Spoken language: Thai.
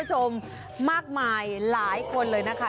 เจ้าของต้นฉบับ